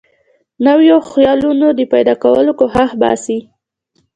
نویو خیالونو د پیدا کولو کوښښ باسي.